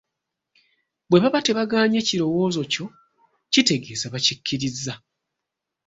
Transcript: Bwe baba tebagaanye kirowoozo kyo, kitegeeza bakikkirizza.